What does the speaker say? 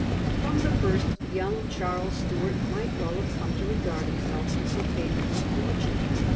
From the first, young Charles Stuart might well have come to regard himself as the favorite of fortune.